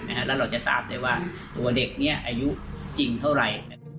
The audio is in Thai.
แล้วเราจะทราบได้ว่าตัวเด็กนี้อายุจริงเท่าไหร่